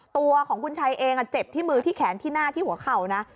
ตัวของคุณชัยเองเจ็บที่มือที่แขนที่หน้าที่หัวเข่านะ